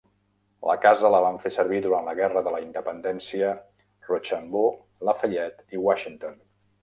La casa la van fer servir durant la Guerra de la Independència Rochambeau, Lafayette i Washington.